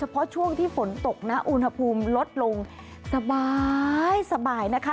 เพราะช่วงที่ฝนตกนะอุณหภูมิลดลงสบายนะคะ